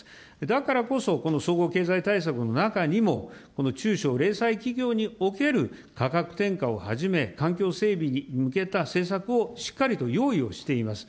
だからこそ、この総合経済対策の中にも、この中小零細企業における価格転嫁をはじめ、環境整備に向けた政策をしっかりと用意をしています。